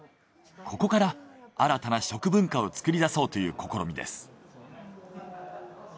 ここから新たな食文化を作り出そうという試みです。